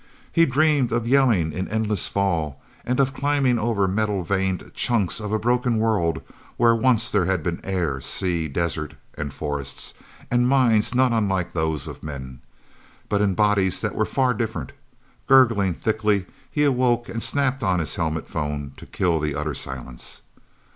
He dreamed of yelling in endless fall, and of climbing over metal veined chunks of a broken world, where once there had been air, sea, desert and forest, and minds not unlike those of men, but in bodies that were far different. Gurgling thickly, he awoke, and snapped on his helmet phone to kill the utter silence.